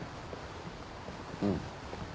うん。